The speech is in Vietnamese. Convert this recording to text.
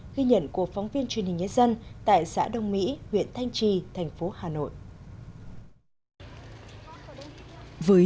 ghi nhận của phóng viên truyền hình nhân dân tại xã đông mỹ huyện thanh trì thành phố hà nội